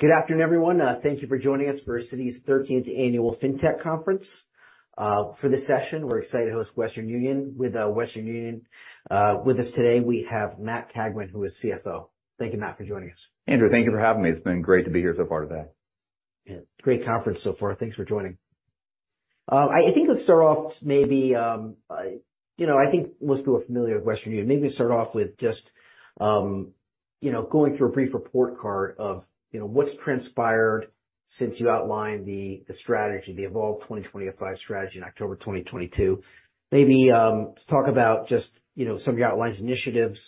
Good afternoon, everyone. Thank you for joining us for Citi's Thirteenth Annual FinTech Conference. For this session, we're excited to host Western Union. With Western Union with us today, we have Matt Cagwin, who is CFO. Thank you, Matt, for joining us. Andrew, thank you for having me. It's been great to be here so far today. Yeah, great conference so far. Thanks for joining. I think let's start off maybe, you know, I think most people are familiar with Western Union. Maybe start off with just, you know, going through a brief report card of, you know, what's transpired since you outlined the, the strategy, the Evolve 2025 strategy in October 2022. Maybe, talk about just, you know, some of your outlines, initiatives,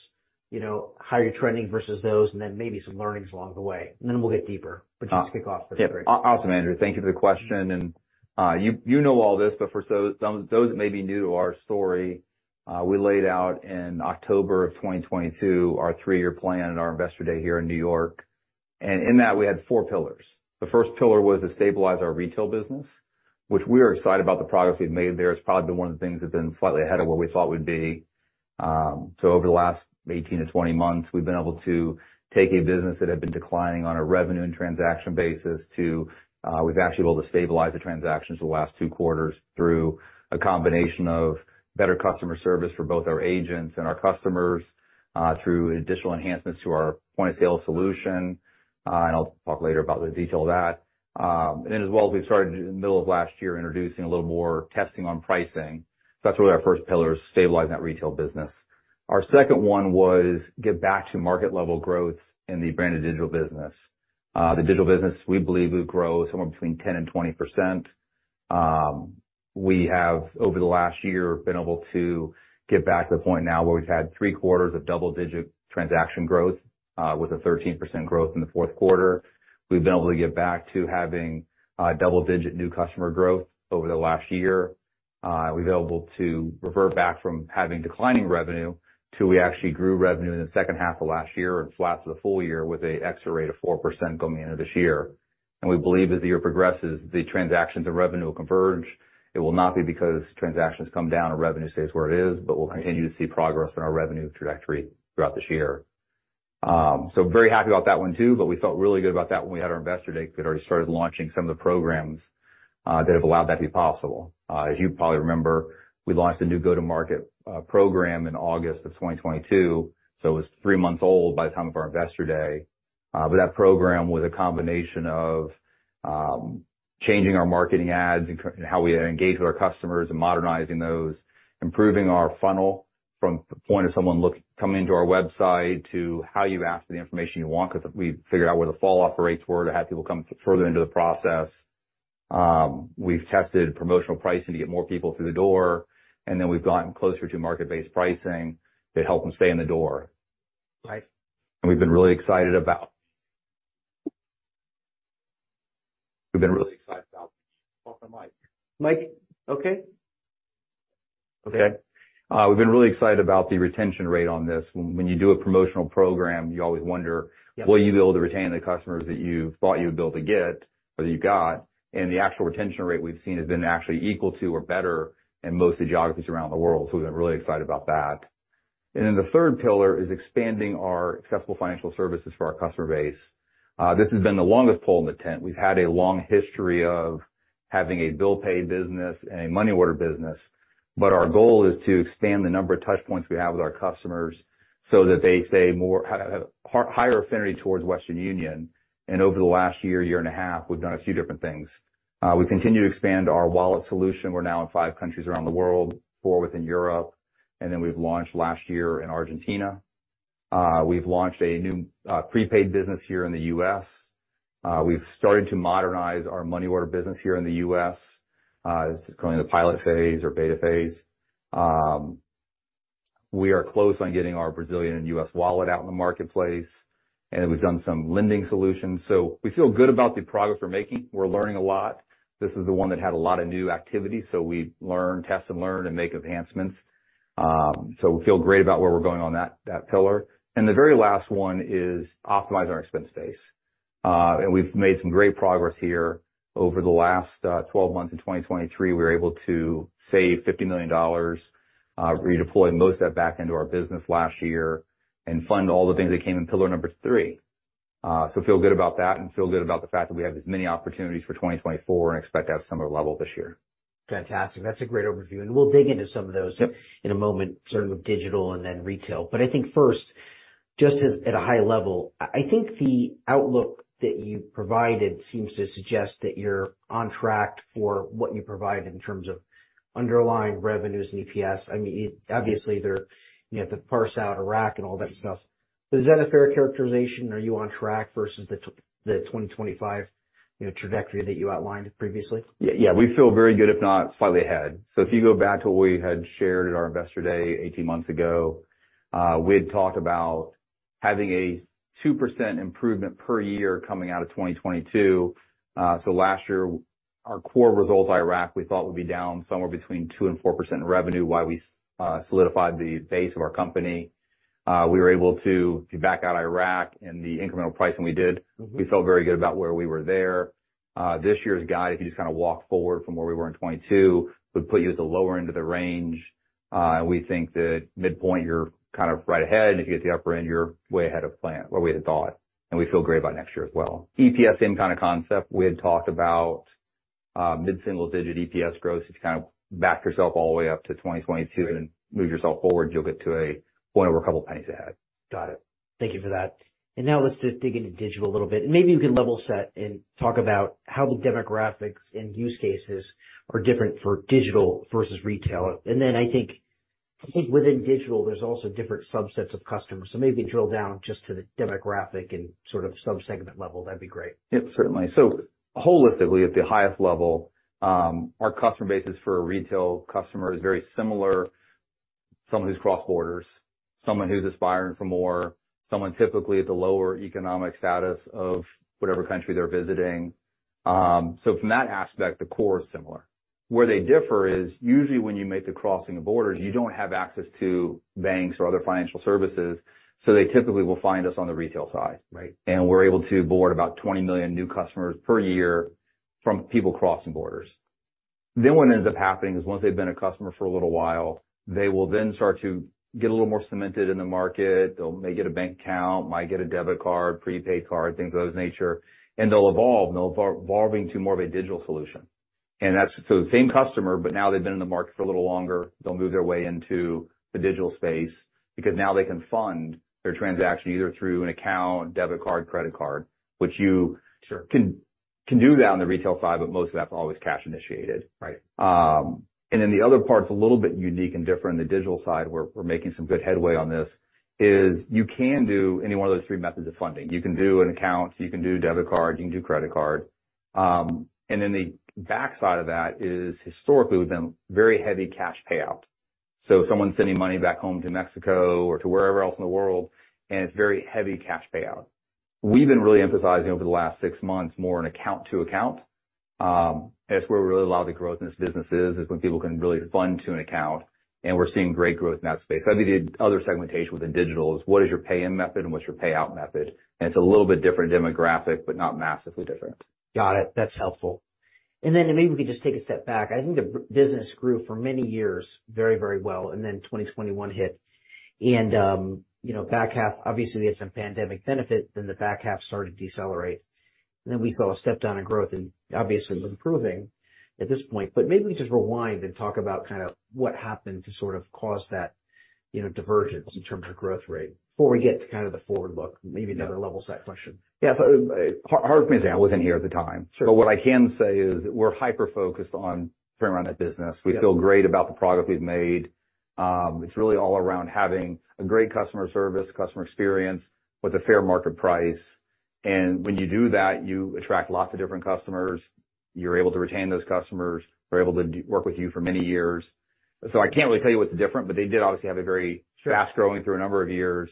you know, how you're trending versus those, and then maybe some learnings along the way, and then we'll get deeper. But just kick off for the group. Yeah. Awesome, Andrew. Thank you for the question, and you know all this, but for those that may be new to our story, we laid out in October 2022 our three-year plan at our Investor Day here in New York. And in that, we had four pillars. The first pillar was to stabilize our retail business, which we are excited about the progress we've made there. It's probably been one of the things that's been slightly ahead of where we thought we'd be. So over the last 18-20 months, we've been able to take a business that had been declining on a revenue and transaction basis to, we've actually able to stabilize the transactions the last two quarters through a combination of better customer service for both our agents and our customers, through additional enhancements to our point-of-sale solution. And I'll talk later about the detail of that. And then as well, we started, in the middle of last year, introducing a little more testing on pricing. So that's really our first pillar, is stabilizing that retail business. Our second one was get back to market-level growth in the branded digital business. The digital business, we believe, will grow somewhere between 10%-20%. We have, over the last year, been able to get back to the point now where we've had three quarters of double-digit transaction growth, with a 13% growth in the fourth quarter. We've been able to get back to having double-digit new customer growth over the last year. We've been able to revert back from having declining revenue to we actually grew revenue in the second half of last year and flat for the full year with a extra rate of 4% going into this year. We believe as the year progresses, the transactions and revenue will converge. It will not be because transactions come down and revenue stays where it is, but we'll continue to see progress in our revenue trajectory throughout this year. So very happy about that one, too, but we felt really good about that when we had our Investor Day, because we'd already started launching some of the programs that have allowed that to be possible. As you probably remember, we launched a new go-to-market program in August of 2022, so it was three months old by the time of our Investor Day. But that program was a combination of changing our marketing ads and how we engage with our customers and modernizing those, improving our funnel from the point of someone coming into our website, to how you ask for the information you want, because we figured out where the fall-off rates were to have people come further into the process. We've tested promotional pricing to get more people through the door, and then we've gotten closer to market-based pricing that help them stay in the door. Right. We've been really excited about the mic. Mic, okay? Okay. We've been really excited about the retention rate on this. When you do a promotional program, you always wonder- Yep. Will you be able to retain the customers that you thought you'd be able to get, or that you got? And the actual retention rate we've seen has been actually equal to or better in most of the geographies around the world, so we've been really excited about that. And then the third pillar is expanding our accessible financial services for our customer base. This has been the longest pole in the tent. We've had a long history of having a bill pay business and a money order business, but our goal is to expand the number of touch points we have with our customers so that they stay more higher affinity towards Western Union. And over the last year, year and a half, we've done a few different things. We continue to expand our wallet solution. We're now in five countries around the world, four within Europe, and then we've launched last year in Argentina. We've launched a new, prepaid business here in the US. We've started to modernize our money order business here in the US. It's currently in the pilot phase or beta phase. We are close on getting our Brazilian and US wallet out in the marketplace, and we've done some lending solutions. So we feel good about the progress we're making. We're learning a lot. This is the one that had a lot of new activity, so we learn, test and learn and make enhancements. So we feel great about where we're going on that, that pillar. And the very last one is optimize our expense base. And we've made some great progress here. Over the last 12 months of 2023, we were able to save $50 million, redeploy most of that back into our business last year and fund all the things that came in pillar number 3. So feel good about that and feel good about the fact that we have as many opportunities for 2024 and expect to have similar level this year. Fantastic. That's a great overview, and we'll dig into some of those- Yep. in a moment, starting with digital and then retail. But I think first, just at a high level, I think the outlook that you provided seems to suggest that you're on track for what you provided in terms of underlying revenues and EPS. I mean, obviously, they're. You have to parse out Iraq and all that stuff. But is that a fair characterization? Are you on track versus the 2025, you know, trajectory that you outlined previously? Yeah, yeah, we feel very good, if not slightly ahead. So if you go back to what we had shared at our Investor Day 18 months ago, we had talked about having a 2% improvement per year coming out of 2022. So last year, our core results, Iraq, we thought would be down somewhere between 2% and 4% revenue while we solidified the base of our company. We were able to back out Iraq and the incremental pricing we did. Mm-hmm. We felt very good about where we were there. This year's guide, if you just kind of walk forward from where we were in 2022, would put you at the lower end of the range. We think that midpoint, you're kind of right ahead, and if you hit the upper end, you're way ahead of plan or way ahead of thought, and we feel great about next year as well. EPS, same kind of concept. We had talked about mid-single-digit EPS growth. If you kind of back yourself all the way up to 2022 and move yourself forward, you'll get to a point where a couple of pennies ahead. Got it. Thank you for that. And now let's just dig into digital a little bit, and maybe you can level set and talk about how the demographics and use cases are different for digital versus retail. And then I think, I think within digital, there's also different subsets of customers. So maybe drill down just to the demographic and sort of sub-segment level. That'd be great. Yep, certainly. So holistically, at the highest level, our customer base is for a retail customer is very similar, someone who's crossed borders, someone who's aspiring for more, someone typically at the lower economic status of whatever country they're visiting. So from that aspect, the core is similar. Where they differ is usually when you make the crossing of borders, you don't have access to banks or other financial services, so they typically will find us on the retail side. Right. We're able to board about 20 million new customers per year from people crossing borders. Then what ends up happening is once they've been a customer for a little while, they will then start to get a little more cemented in the market. They'll may get a bank account, might get a debit card, prepaid card, things of those nature, and they'll evolve to more of a digital solution. And that's so the same customer, but now they've been in the market for a little longer. They'll move their way into the digital space because now they can fund their transaction, either through an account, debit card, credit card, which you- Sure. Can do that on the retail side, but most of that's always cash initiated. Right. And then the other part's a little bit unique and different. The digital side, we're making some good headway on this, is you can do any one of those three methods of funding. You can do an account, you can do a debit card, you can do credit card. And then the backside of that is historically, we've been very heavy cash payout. So if someone's sending money back home to Mexico or to wherever else in the world, and it's very heavy cash payout. We've been really emphasizing over the last six months, more an account to account. That's where really a lot of the growth in this business is, when people can really fund to an account, and we're seeing great growth in that space. I think the other segmentation within digital is what is your pay-in method and what's your payout method? It's a little bit different demographic, but not massively different. Got it. That's helpful. And then maybe we could just take a step back. I think the business grew for many years very, very well, and then 2021 hit. And, you know, back half, obviously, they had some pandemic benefit, then the back half started to decelerate, and then we saw a step down in growth and obviously improving at this point. But maybe we just rewind and talk about kind of what happened to sort of cause that, you know, divergence in terms of growth rate before we get to kind of the forward look, maybe another level set question. Yeah, so, hard for me to say. I wasn't here at the time. Sure. But what I can say is we're hyper-focused on turning around that business. Yeah. We feel great about the progress we've made. It's really all around having a great customer service, customer experience with a fair market price. And when you do that, you attract lots of different customers. You're able to retain those customers. They're able to work with you for many years. So I can't really tell you what's different, but they did obviously have a very- Sure -fast growing through a number of years,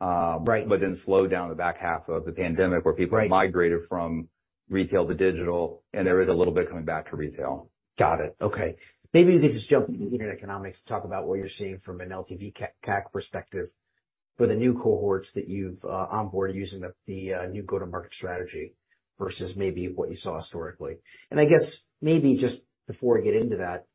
Right but then slowed down the back half of the pandemic- Right where people migrated from retail to digital, and there is a little bit coming back to retail. Got it. Okay. Maybe if you just jump into unit economics, talk about what you're seeing from an LTV, CAC perspective for the new cohorts that you've onboarded using the new go-to-market strategy versus maybe what you saw historically. And I guess maybe just before we get into that,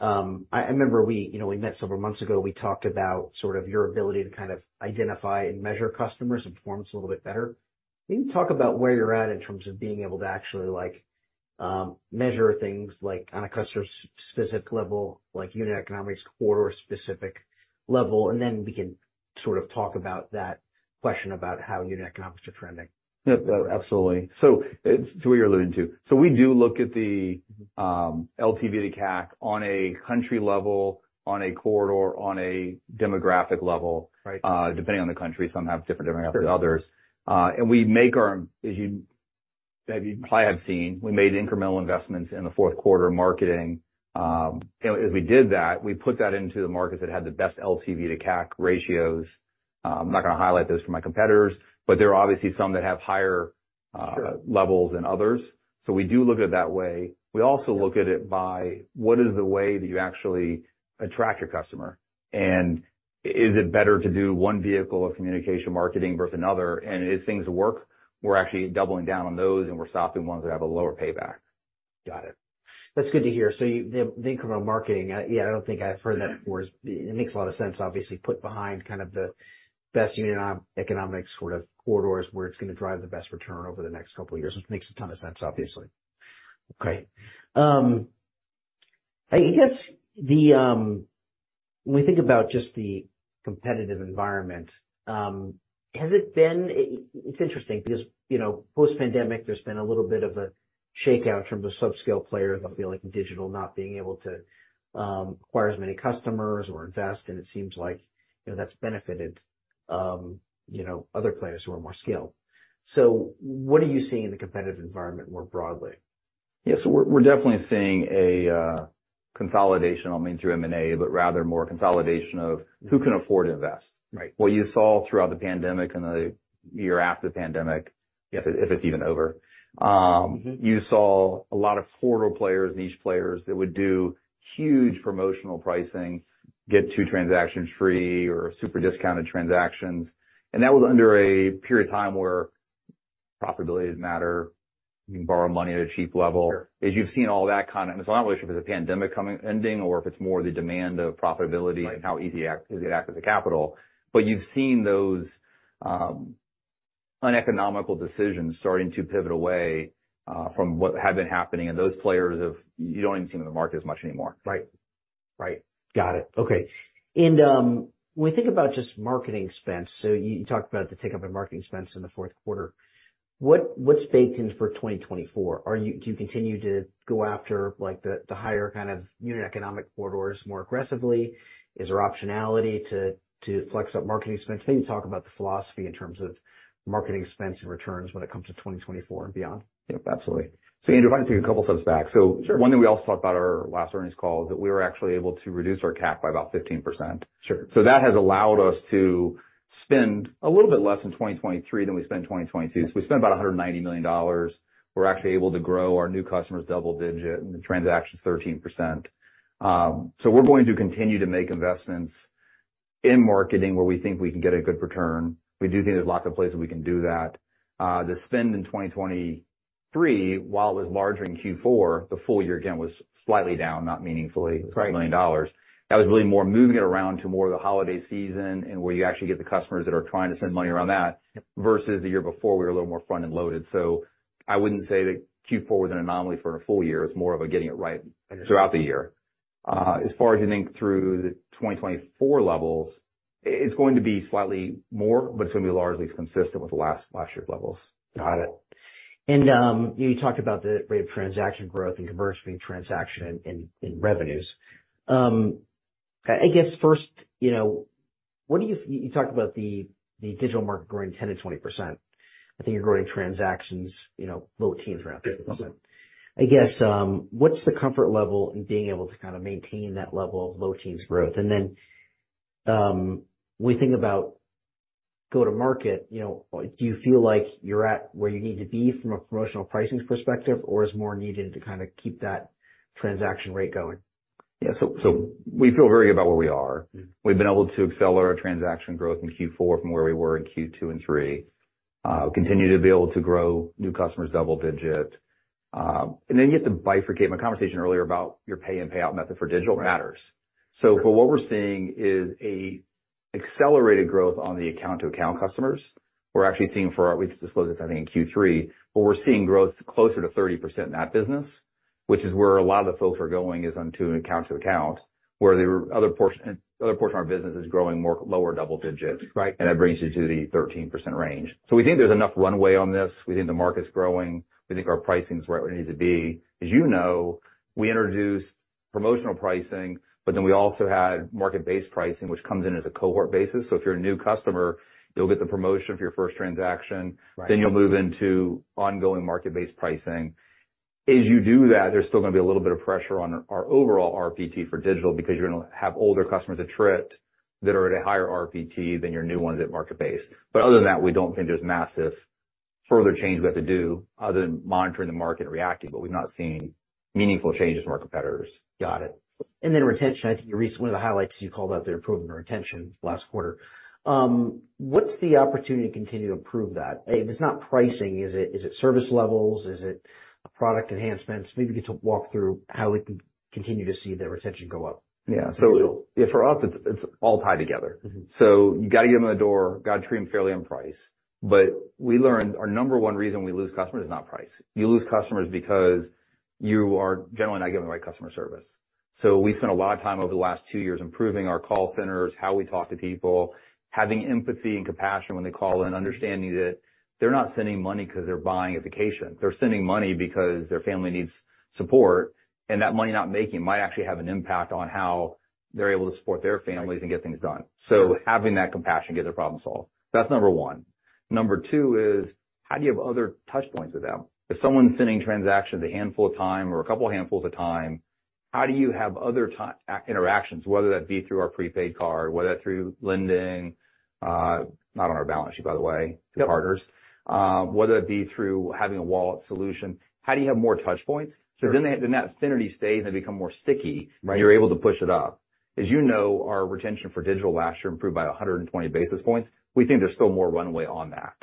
I remember we, you know, we met several months ago. We talked about sort of your ability to kind of identify and measure customers and performance a little bit better. Can you talk about where you're at in terms of being able to actually, like, measure things like on a customer-specific level, like unit economics, corridor-specific level, and then we can sort of talk about that question about how unit economics are trending? Yep. Absolutely. So it's what you're alluding to. So we do look at the LTV to CAC on a country level, on a corridor, on a demographic level. Right. Depending on the country, some have different demographics than others. As you probably have seen, we made incremental investments in the fourth quarter marketing. And as we did that, we put that into the markets that had the best LTV to CAC ratios. I'm not going to highlight this for my competitors, but there are obviously some that have higher. Sure Levels than others. So we do look at it that way. We also look at it by what is the way that you actually attract your customer, and is it better to do one vehicle of communication marketing versus another? And as things work, we're actually doubling down on those, and we're stopping ones that have a lower payback. Got it. That's good to hear. So, the incremental marketing, yeah, I don't think I've heard that before. It makes a lot of sense, obviously, put behind kind of the best unit economics sort of corridors, where it's going to drive the best return over the next couple of years, which makes a ton of sense, obviously. Okay. I guess the when we think about just the competitive environment, has it been. It's interesting because, you know, post-pandemic, there's been a little bit of a shakeout from the sub-scale player. They'll feel like digital not being able to acquire as many customers or invest, and it seems like, you know, that's benefited, you know, other players who are more skilled. So what are you seeing in the competitive environment more broadly? Yeah, so we're definitely seeing a consolidation. I don't mean through M&A, but rather more consolidation of who can afford to invest. Right. What you saw throughout the pandemic and the year after the pandemic, if it's even over, Mm-hmm you saw a lot of corridor players, niche players, that would do huge promotional pricing, get 2 transactions free or super discounted transactions. And that was under a period of time where profitability doesn't matter. You can borrow money at a cheap level. Sure. As you've seen. It's not really sure if it's a pandemic coming, ending, or if it's more the demand of profitability. Right. And how easy to access the capital. But you've seen those uneconomical decisions starting to pivot away from what had been happening, and those players have. You don't even see them in the market as much anymore. Right. Right. Got it. Okay. And when we think about just marketing expense, so you talked about the tick up in marketing expense in the fourth quarter. What's baked in for 2024? Are you- do you continue to go after, like, the higher kind of unit economic corridors more aggressively? Is there optionality to flex up marketing expense? Maybe talk about the philosophy in terms of marketing expense and returns when it comes to 2024 and beyond. Yep, absolutely. So Andrew, if I can take a couple steps back. Sure. One thing we also talked about on our last earnings call is that we were actually able to reduce our CAC by about 15%. Sure. So that has allowed us to spend a little bit less in 2023 than we spent in 2022. So we spent about $190 million. We're actually able to grow our new customers double digit, and the transactions 13%. So we're going to continue to make investments in marketing where we think we can get a good return. We do think there's lots of places we can do that. The spend in 2023, while it was larger in Q4, the full year, again, was slightly down, not meaningfully- Right. -million dollars. That was really more moving it around to more of the holiday season and where you actually get the customers that are trying to send money around that. Yep. Versus the year before, we were a little more front-end loaded. So I wouldn't say that Q4 was an anomaly for a full year. It's more of a getting it right throughout the year. As far as you think through the 2024 levels, it's going to be slightly more, but it's going to be largely consistent with last, last year's levels. Got it. And, you talked about the rate of transaction growth and conversion transaction in revenues. I guess first, you know, what do you-- you talked about the digital market growing 10%-20%. I think you're growing transactions, you know, low teens around. Mm-hmm. I guess, what's the comfort level in being able to kind of maintain that level of low teens growth? And then, when we think about go-to-market, you know, do you feel like you're at where you need to be from a promotional pricing perspective, or is more needed to kind of keep that transaction rate going? Yeah. So, so we feel very good about where we are. Mm-hmm. We've been able to accelerate our transaction growth in Q4 from where we were in Q2 and Q3. Continue to be able to grow new customers double digit. And then you have to bifurcate my conversation earlier about your pay and payout method for digital matters. Right. But what we're seeing is an accelerated growth on the account to account customers. We're actually seeing for our. We've disclosed this, I think, in Q3, but we're seeing growth closer to 30% in that business, which is where a lot of the folks are going, is onto an account to account, where the other portion, other portion of our business is growing more lower double digits. Right. That brings you to the 13% range. We think there's enough runway on this. We think the market's growing. We think our pricing is right where it needs to be. As you know, we introduced promotional pricing, but then we also had market-based pricing, which comes in as a cohort basis. If you're a new customer, you'll get the promotion for your first transaction. Right. Then you'll move into ongoing market-based pricing. As you do that, there's still going to be a little bit of pressure on our overall RPT for digital, because you're gonna have older customers that tripped, that are at a higher RPT than your new ones at market-based. But other than that, we don't think there's massive further change we have to do other than monitoring the market and reacting, but we've not seen meaningful changes from our competitors. Got it. And then retention, I think one of the highlights, you called out the improvement in retention last quarter. What's the opportunity to continue to improve that? If it's not pricing, is it service levels? Is it product enhancements? Maybe you get to walk through how we can continue to see the retention go up? Yeah. So for us, it's all tied together. Mm-hmm. So you got to get them in the door, got to treat them fairly on price. But we learned our number one reason we lose customers is not price. You lose customers because you are generally not giving the right customer service. So we spent a lot of time over the last two years improving our call centers, how we talk to people, having empathy and compassion when they call in, understanding that they're not sending money because they're buying a vacation. They're sending money because their family needs support, and that money not making might actually have an impact on how they're able to support their families and get things done. So having that compassion, get their problem solved. That's number one. Number two is, how do you have other touch points with them? If someone's sending transactions a handful of time or a couple handfuls of time, how do you have other interactions, whether that be through our prepaid card, whether that through lending, not on our balance sheet, by the way- Yep. -partners. Whether it be through having a wallet solution, how do you have more touch points? Sure. So then that affinity stays, and they become more sticky- Right. you're able to push it up. As you know, our retention for digital last year improved by 120 basis points. We think there's still more runway on that.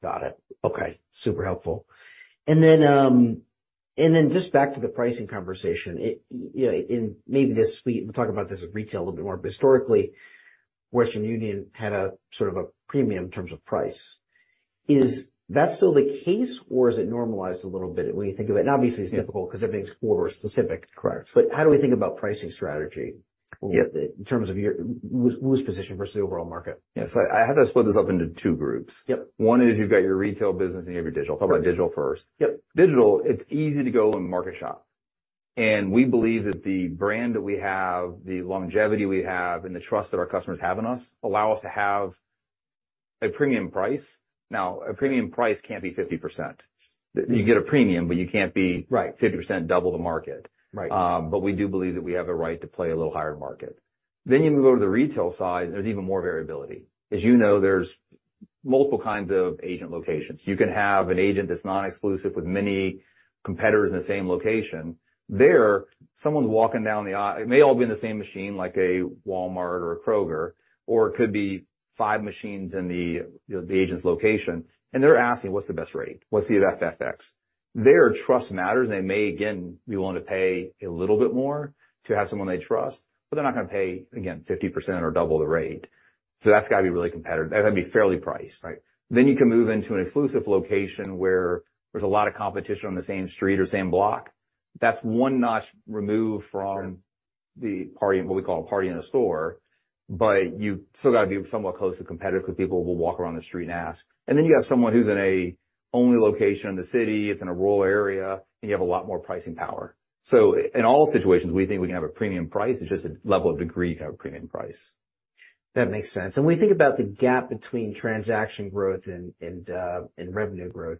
Got it. Okay, super helpful. And then, and then just back to the pricing conversation. It, you know, and maybe this week, we'll talk about this at retail a little bit more. But historically, Western Union had a sort of a premium in terms of price. Is that still the case, or is it normalized a little bit when you think of it? And obviously, it's difficult because everything's quarter specific. Correct. How do we think about pricing strategy? Yep In terms of your whose position versus the overall market? Yes. I have to split this up into two groups. Yep. One is, you've got your retail business, and you have your digital. Okay. Digital first. Yep. Digital, it's easy to go and market shop, and we believe that the brand that we have, the longevity we have, and the trust that our customers have in us, allow us to have a premium price. Now, a premium price can't be 50%. Mm. You get a premium, but you can't be- Right 50% double the market. Right. But we do believe that we have a right to play a little higher in market. Then you can go to the retail side, there's even more variability. As you know, there's multiple kinds of agent locations. You can have an agent that's non-exclusive with many competitors in the same location. There, someone walking down the aisle. It may all be in the same machine, like a Walmart or a Kroger, or it could be five machines in the, you know, the agent's location, and they're asking: What's the best rate? What's the FX? There, trust matters, and they may again be willing to pay a little bit more to have someone they trust, but they're not going to pay, again, 50% or double the rate. So that's got to be really competitive. That's going to be fairly priced, right? Then you can move into an exclusive location where there's a lot of competition on the same street or same block. That's one notch removed from the parity, what we call a parity in a store, but you still got to be somewhat close to competitive, because people will walk around the street and ask. And then you have someone who's in an only location in the city. It's in a rural area, and you have a lot more pricing power. So in all situations, we think we can have a premium price. It's just a level of degree, you have a premium price. That makes sense. And when you think about the gap between transaction growth and revenue growth,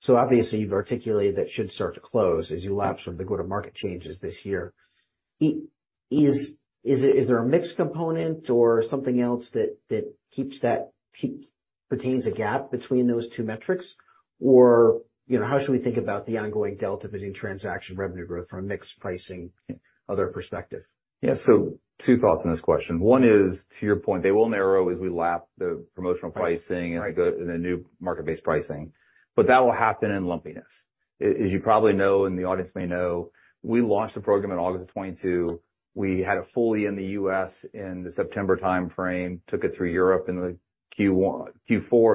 so obviously, you've articulated that should start to close as you lapse from the go-to-market changes this year. Is there a mix component or something else that retains a gap between those two metrics? Or, you know, how should we think about the ongoing delta between transaction revenue growth from a mixed pricing, other perspective? Yeah. So two thoughts on this question. One is, to your point, they will narrow as we lap the promotional pricing- Right. And the new market-based pricing, but that will happen in lumpiness. As you probably know, and the audience may know, we launched the program in August of 2022. We had it fully in the U.S. in the September time frame, took it through Europe in the Q4 of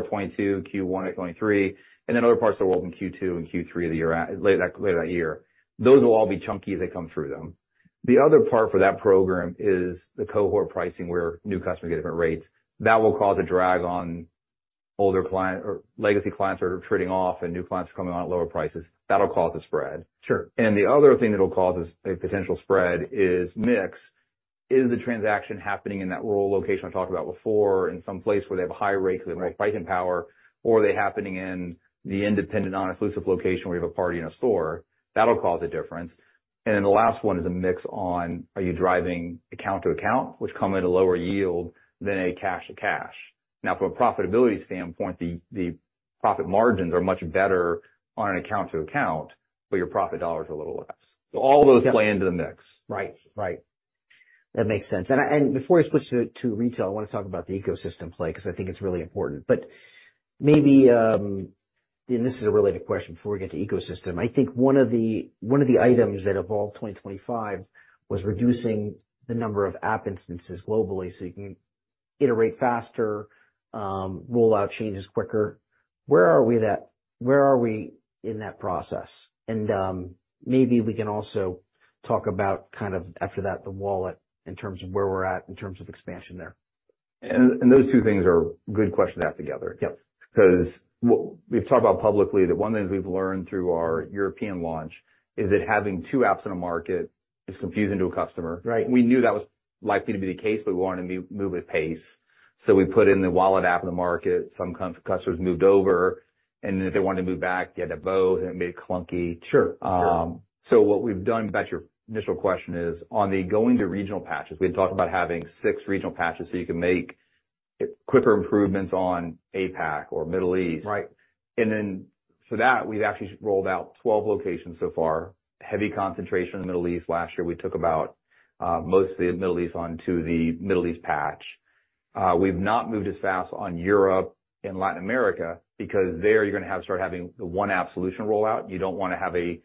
2022, Q1 of 2023, and then other parts of the world in Q2 and Q3 of the year, later that, later that year. Those will all be chunky as they come through them. The other part for that program is the cohort pricing, where new customers get different rates. That will cause a drag on older client or legacy clients who are attriting off and new clients are coming on at lower prices. That'll cause a spread. Sure. And the other thing that will cause a potential spread is mix. Is the transaction happening in that rural location I talked about before, in some place where they have a high rate because they have more pricing power, or are they happening in the independent, non-exclusive location where you have a parity in a store? That'll cause a difference. And then the last one is a mix on, are you driving account to account, which come at a lower yield than a cash to cash. Now, from a profitability standpoint, the profit margins are much better on an account to account, but your profit dollar is a little less. So all of those play into the mix. Right. Right. That makes sense. And before I switch to retail, I want to talk about the ecosystem play, because I think it's really important. But maybe this is a related question before we get to ecosystem. I think one of the items that evolved in 2025 was reducing the number of app instances globally, so you can iterate faster, roll out changes quicker. Where are we in that process? And maybe we can also talk about kind of after that, the wallet, in terms of where we're at, in terms of expansion there. Those two things are good questions to ask together. Yep. Because what we've talked about publicly, that one of the things we've learned through our European launch is that having two apps in a market is confusing to a customer. Right. We knew that was likely to be the case, but we wanted to move at pace, so we put in the wallet app in the market. Some customers moved over, and if they wanted to move back, they had to both, and it made it clunky. Sure. So what we've done, back to your initial question, is on the going to regional patches, we had talked about having 6 regional patches so you can make quicker improvements on APAC or Middle East. Right. And then for that, we've actually rolled out 12 locations so far. Heavy concentration in the Middle East. Last year, we took about most of the Middle East onto the Middle East patch. We've not moved as fast on Europe and Latin America because there you're going to have, start having the one app solution rollout. You don't want to have a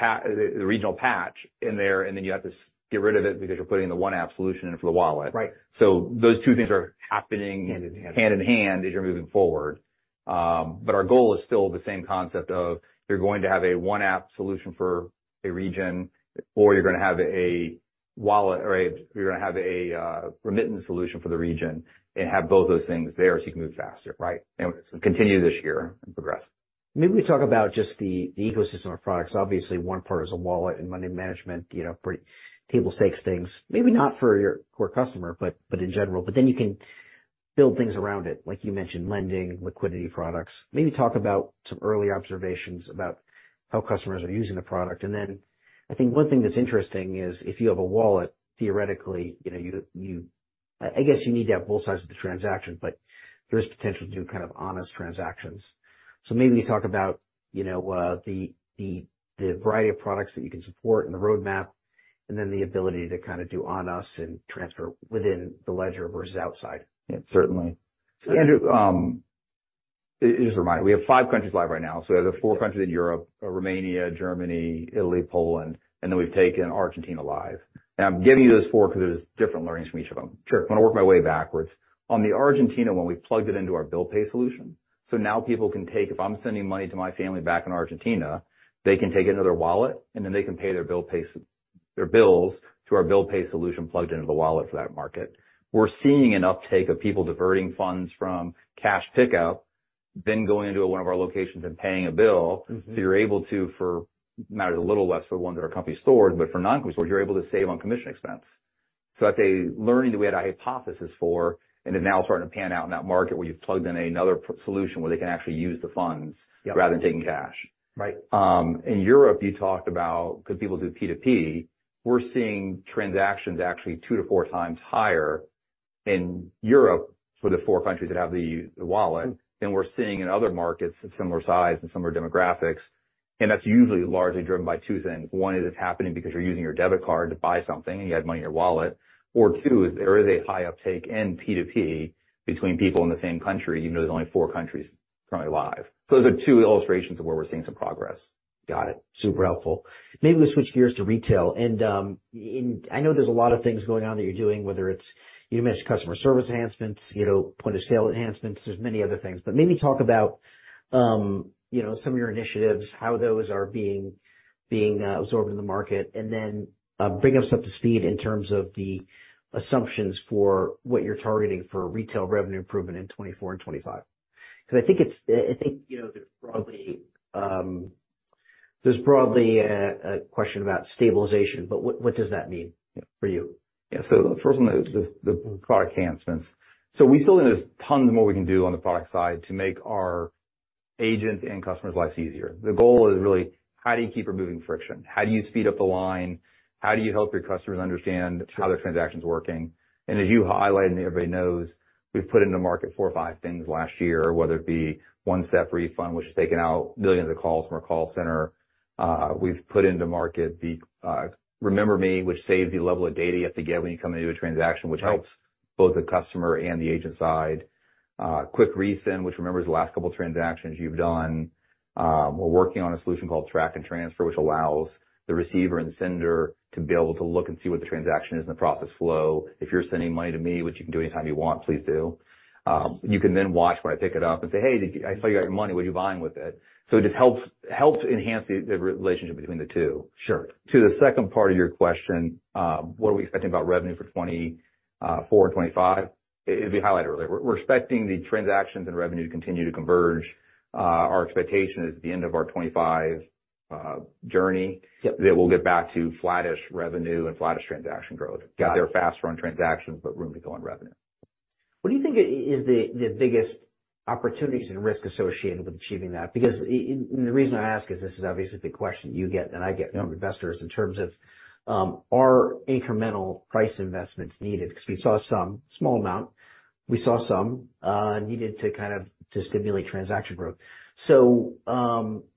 the regional patch in there, and then you have to get rid of it because you're putting the one app solution in for the wallet. Right. Those two things are happening- Hand in hand. hand in hand, as you're moving forward. But our goal is still the same concept of you're going to have a one app solution for a region, or you're going to have a wallet, or you're going to have a remittance solution for the region and have both those things there so you can move faster, right? And it's going to continue this year and progress. Maybe we talk about just the ecosystem of products. Obviously, one part is a wallet and money management, you know, pretty table stakes things. Maybe not for your core customer, but in general. But then you can build things around it. Like you mentioned, lending, liquidity products. Maybe talk about some early observations about how customers are using the product. And then I think one thing that's interesting is if you have a wallet, theoretically, you know, you - I guess you need to have both sides of the transaction, but there is potential to do kind of on-us transactions. So maybe you talk about, you know, the variety of products that you can support and the roadmap, and then the ability to kind of do on-us and transfer within the ledger versus outside. Yeah, certainly. Andrew, just a reminder, we have five countries live right now. We have the four countries in Europe, Romania, Germany, Italy, Poland, and then we've taken Argentina live. I'm giving you those four because there's different learnings from each of them. Sure. I'm going to work my way backwards. On the Argentina one, we plugged it into our bill pay solution. So now people can take. If I'm sending money to my family back in Argentina, they can take it into their wallet, and then they can pay their bill, pay their bills through our bill pay solution plugged into the wallet for that market. We're seeing an uptake of people diverting funds from cash pickup, then going into one of our locations and paying a bill. Mm-hmm. So it matters a little less for ones that are company store, but for non-company store, you're able to save on commission expense. So that's a learning that we had a hypothesis for, and it's now starting to pan out in that market, where you've plugged in another solution where they can actually use the funds- Yeah. rather than taking cash. Right. In Europe, you talked about, because people do P2P, we're seeing transactions actually 2x-4x higher in Europe for the four countries that have the wallet, than we're seeing in other markets of similar size and similar demographics. That's usually largely driven by two things. One is it's happening because you're using your debit card to buy something, and you have money in your wallet. Or two, there is a high uptake in P2P between people in the same country, even though there's only four countries currently live. Those are two illustrations of where we're seeing some progress. Got it. Super helpful. Maybe we switch gears to retail. And I know there's a lot of things going on that you're doing, whether it's, you mentioned customer service enhancements, you know, point-of-sale enhancements, there's many other things. But maybe talk about, you know, some of your initiatives, how those are being absorbed in the market, and then bring us up to speed in terms of the assumptions for what you're targeting for retail revenue improvement in 2024 and 2025. Because I think it's. I think, you know, there's broadly a question about stabilization, but what does that mean for you? Yeah. So the first one is the product enhancements. So we still think there's tons more we can do on the product side to make our agents and customers' lives easier. The goal is really: how do you keep removing friction? How do you speed up the line? How do you help your customers understand how their transaction's working? And as you highlighted, and everybody knows, we've put into market four or five things last year, whether it be one-step refund, which has taken out millions of calls from our call center. We've put into market the Remember Me, which saves the level of data you have to get when you come into a transaction- Right. -which helps both the customer and the agent side. Quick Resend, which remembers the last couple transactions you've done. We're working on a solution called Track and Transfer, which allows the receiver and sender to be able to look and see what the transaction is in the process flow. If you're sending money to me, which you can do anytime you want, please do, you can then watch where I pick it up and say, "Hey, I saw you got your money. What are you buying with it?" So it just helps, helps enhance the, the relationship between the two. Sure. To the second part of your question, what are we expecting about revenue for 2024 and 2025? As we highlighted earlier, we're expecting the transactions and revenue to continue to converge. Our expectation is at the end of our 2025 journey- Yep that we'll get back to flattish revenue and flattish transaction growth. Got it. They're faster on transactions, but room to go on revenue. What do you think is the biggest opportunities and risk associated with achieving that? Because and the reason I ask is, this is obviously a big question you get, that I get from investors in terms of, are incremental price investments needed? Because we saw some small amount. We saw some needed to kind of stimulate transaction growth. So,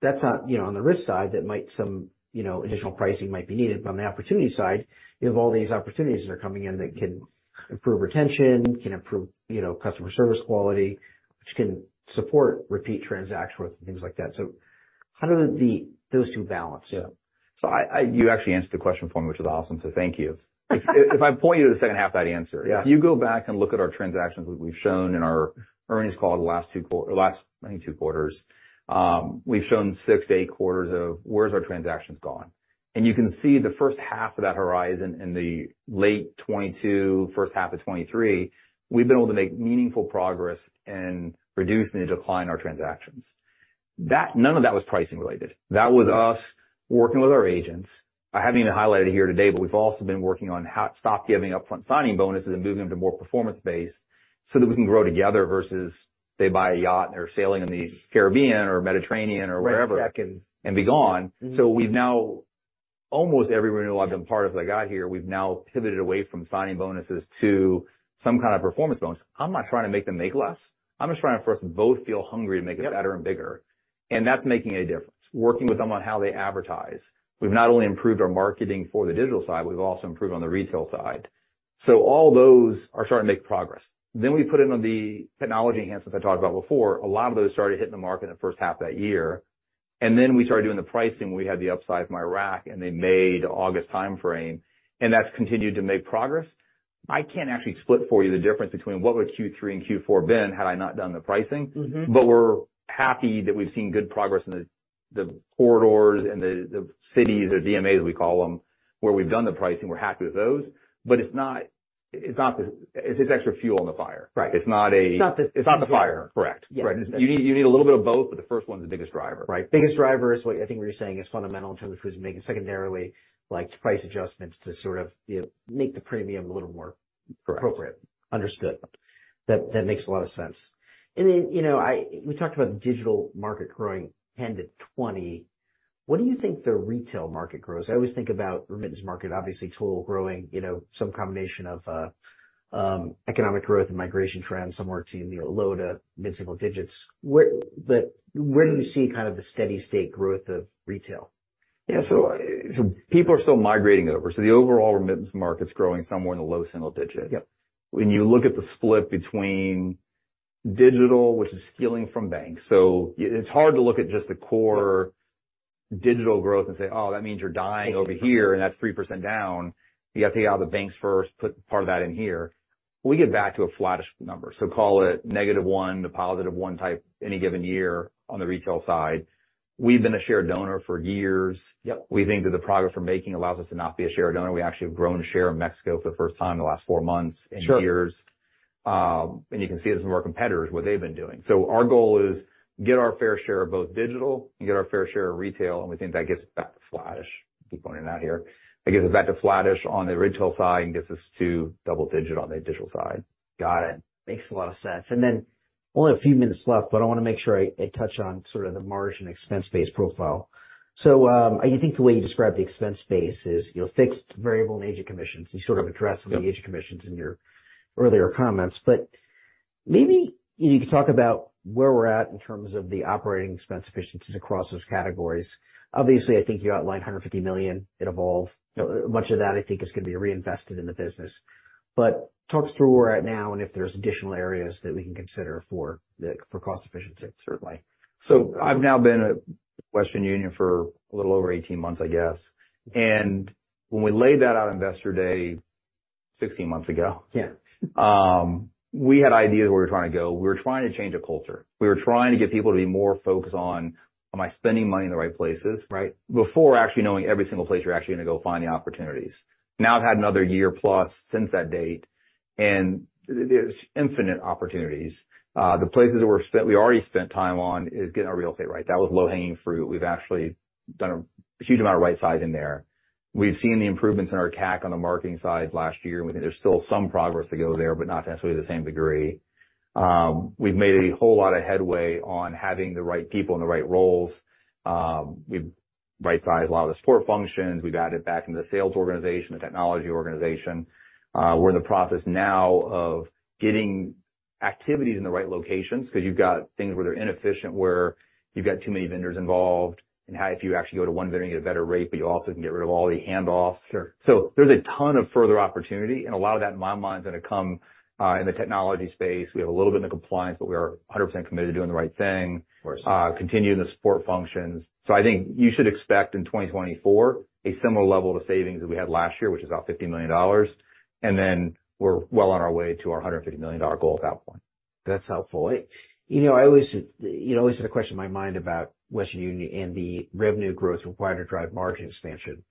that's not, you know, on the risk side, that might some, you know, additional pricing might be needed, but on the opportunity side, you have all these opportunities that are coming in that can improve retention, can improve, you know, customer service quality, which can support repeat transaction rates and things like that. So how do those two balance? Yeah. So. You actually answered the question for me, which is awesome. So thank you. If I point you to the second half of that answer- Yeah. If you go back and look at our transactions, we've shown in our earnings call the last two quarters, last maybe two quarters, we've shown six to eight quarters of where's our transactions gone. And you can see the first half of that horizon in the late 2022, first half of 2023, we've been able to make meaningful progress in reducing the decline in our transactions. That, none of that was pricing related. That was us working with our agents. I haven't even highlighted it here today, but we've also been working on how to stop giving upfront signing bonuses and moving them to more performance-based so that we can grow together versus they buy a yacht, and they're sailing in the Caribbean or Mediterranean or wherever. Right. And be gone. Mm-hmm. We've now, almost everyone who I've been part as I got here, we've now pivoted away from signing bonuses to some kind of performance bonus. I'm not trying to make them make less. I'm just trying to first both feel hungry to make it better and bigger. Yep. That's making a difference. Working with them on how they advertise. We've not only improved our marketing for the digital side, we've also improved on the retail side. So all those are starting to make progress. Then we put in on the technology enhancements I talked about before. A lot of those started hitting the market in the first half of that year, and then we started doing the pricing. We had the upside from Iraq, and they made August timeframe, and that's continued to make progress. I can't actually split for you the difference between what would Q3 and Q4 have been, had I not done the pricing. Mm-hmm. But we're happy that we've seen good progress in the corridors and the cities or DMAs, we call them, where we've done the pricing. We're happy with those, but it's not the- it's just extra fuel on the fire. Right. It's not a- It's not the- It's not the fire. Correct. Yeah. You need, you need a little bit of both, but the first one is the biggest driver. Right. Biggest driver is what I think what you're saying is fundamental in terms of making secondarily, like, price adjustments to sort of, you know, make the premium a little more- Correct -appropriate. Understood. That, that makes a lot of sense. And then, you know, we talked about the digital market growing 10%-20%. What do you think the retail market grows? I always think about remittance market, obviously, total growing, you know, some combination of economic growth and migration trends, somewhere to, you know, low- to mid-single digits. Where- but where do you see kind of the steady state growth of retail? Yeah. So, so people are still migrating over. So the overall remittance market's growing somewhere in the low single digit. Yep. When you look at the split between digital, which is stealing from banks. So it's hard to look at just the core digital growth and say, "Oh, that means you're dying over here, and that's 3% down." You've got to take out the banks first, put part of that in here. We get back to a flattish number, so call it negative 1 to positive 1 type any given year on the retail side. We've been a share donor for years. Yep. We think that the progress we're making allows us to not be a share donor. We actually have grown share in Mexico for the first time in the last four months- Sure and years. You can see this with more competitors, what they've been doing. So our goal is to get our fair share of both digital and get our fair share of retail, and we think that gets back to flattish. Keep pointing it out here. It gets it back to flattish on the retail side and gets us to double digit on the digital side. Got it. Makes a lot of sense. And then only a few minutes left, but I want to make sure I touch on sort of the margin expense base profile. So, I think the way you describe the expense base is, you know, fixed variable and agent commissions. You sort of addressed- Yep the agent commissions in your earlier comments, but maybe you could talk about where we're at in terms of the operating expense efficiencies across those categories. Obviously, I think you outlined $150 million. It evolved. You know, much of that, I think, is going to be reinvested in the business. But talk us through where we're at now and if there's additional areas that we can consider for the, for cost efficiency. Certainly. So I've now been at Western Union for a little over 18 months, I guess. And when we laid that out on Investor Day sixteen months ago. Yeah. We had ideas where we were trying to go. We were trying to change a culture. We were trying to get people to be more focused on, am I spending money in the right places? Right. Before actually knowing every single place you're actually going to go find the opportunities. Now, I've had another year plus since that date, and there's infinite opportunities. The places that we already spent time on is getting our real estate right. That was low-hanging fruit. We've actually done a huge amount of right-sizing there. We've seen the improvements in our CAC on the marketing side last year, and we think there's still some progress to go there, but not necessarily the same degree. We've made a whole lot of headway on having the right people in the right roles. We've right-sized a lot of the support functions. We've added back into the sales organization, the technology organization. We're in the process now of getting activities in the right locations because you've got things where they're inefficient, where you've got too many vendors involved, and how if you actually go to one vendor, you get a better rate, but you also can get rid of all the handoffs. Sure. So there's a ton of further opportunity, and a lot of that, in my mind, is going to come in the technology space. We have a little bit in the compliance, but we are 100% committed to doing the right thing. Of course. Continuing the support functions. So I think you should expect in 2024, a similar level of savings that we had last year, which is about $50 million, and then we're well on our way to our $150 million goal at that point. That's helpful. You know, I always, you know, always had a question in my mind about Western Union and the revenue growth required to drive margin expansion.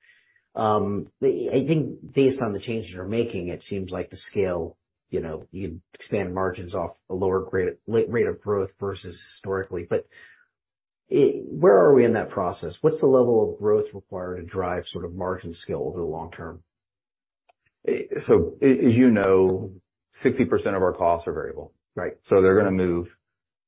I think based on the changes you're making, it seems like the scale, you know, you expand margins off a lower growth rate of growth versus historically, but it—where are we in that process? What's the level of growth required to drive sort of margin scale over the long term? As you know, 60% of our costs are variable. Right. So they're going to move.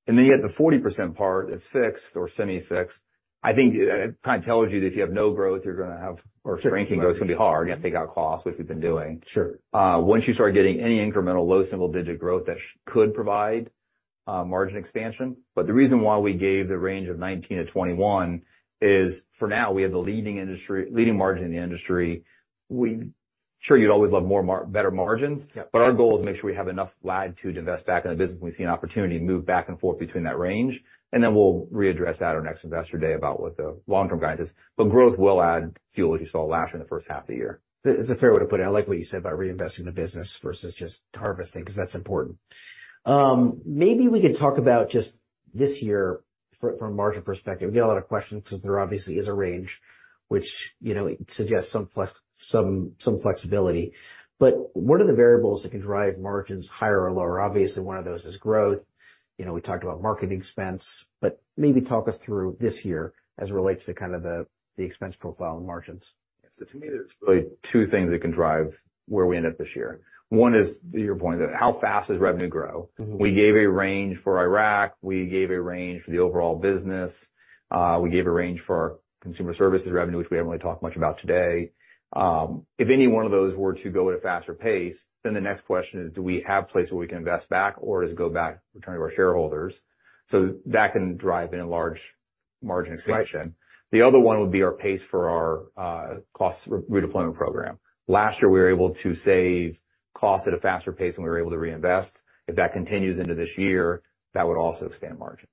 Then you get the 40% part that's fixed or semi-fixed. I think it kind of tells you that if you have no growth, you're going to have- Sure. Or if ranking growth is going to be hard, you're going to take out costs, which we've been doing. Sure. Once you start getting any incremental low single-digit growth, that could provide margin expansion. But the reason why we gave the range of 19-21 is, for now, we have the leading industry-leading margin in the industry. Sure, you'd always love more—better margins. Yeah. But our goal is to make sure we have enough latitude to invest back in the business when we see an opportunity to move back and forth between that range, and then we'll readdress that at our next Investor Day about what the long-term guidance is. But growth will add fuel, as you saw last in the first half of the year. It's a fair way to put it. I like what you said about reinvesting the business versus just harvesting, because that's important. Maybe we could talk about just this year from a margin perspective. We get a lot of questions because there obviously is a range which, you know, suggests some flexibility. But what are the variables that can drive margins higher or lower? Obviously, one of those is growth. You know, we talked about marketing expense, but maybe talk us through this year as it relates to the expense profile and margins. To me, there's really two things that can drive where we end up this year. One is to your point, that how fast does revenue grow? Mm-hmm. We gave a range for Iraq, we gave a range for the overall business, we gave a range for our consumer services revenue, which we haven't really talked much about today. If any one of those were to go at a faster pace, then the next question is, do we have places where we can invest back or does it go back, return to our shareholders? So that can drive in a large margin expansion. Right. The other one would be our pace for our cost redeployment program. Last year, we were able to save costs at a faster pace than we were able to reinvest. If that continues into this year, that would also expand margins.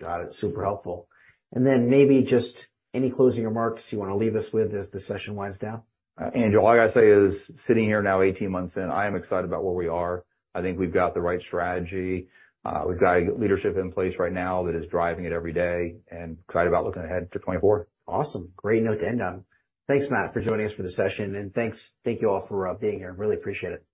Got it. Super helpful. And then maybe just any closing remarks you want to leave us with as the session winds down? Andrew, all I got to say is sitting here now, 18 months in, I am excited about where we are. I think we've got the right strategy. We've got leadership in place right now that is driving it every day, and excited about looking ahead to 2024. Awesome. Great note to end on. Thanks, Matt, for joining us for this session. And thanks, thank you all for being here. I really appreciate it.